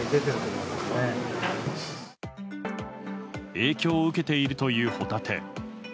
影響を受けているというホタテ。